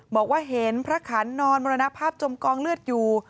บอกว่าเห็นพระขันนอนมรณภาพจมกองเลือดอยู่